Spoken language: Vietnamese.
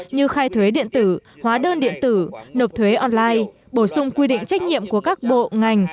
như khai thuế điện tử hóa đơn điện tử nộp thuế online bổ sung quy định trách nhiệm của các bộ ngành